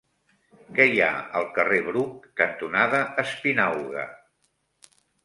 Què hi ha al carrer Bruc cantonada Espinauga?